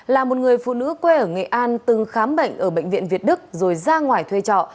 là một người phụ nữ quê ở nghệ an từng khám bệnh ở bệnh viện việt đức rồi ra ngoài thuê trọ